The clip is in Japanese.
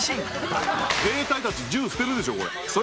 兵隊たち銃捨てるでしょこれ。